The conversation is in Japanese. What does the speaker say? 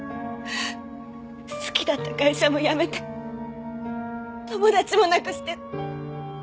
好きだった会社も辞めて友達もなくして。